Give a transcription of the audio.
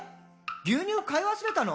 牛乳買い忘れたの？」